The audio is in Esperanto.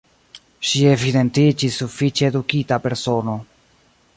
Ŝi evidentiĝis sufiĉe edukita persono.